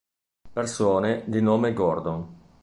Persone di nome Gordon